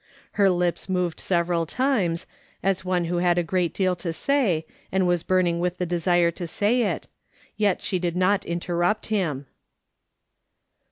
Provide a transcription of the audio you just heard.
Her lips moved several times, as one who had a great deal to say, and was burning with the desire to say it, yet she did not interrupt him.